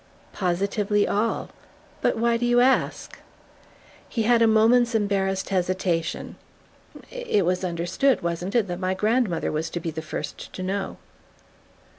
"Positively all. But why do you ask?" He had a moment's embarrassed hesitation. "It was understood, wasn't it, that my grandmother was to be the first to know?"